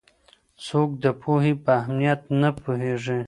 څوک د پوهې په اهمیت نه پوهېږي؟